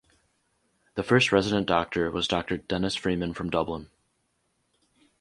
The first resident doctor was Dr Denis Freeman from Dublin.